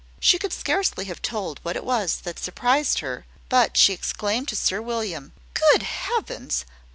She could scarcely have told what it was that surprised her; but she exclaimed to Sir William "Good heavens!